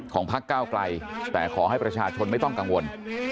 พักก้าวไกลแต่ขอให้ประชาชนไม่ต้องกังวล